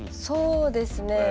そうですね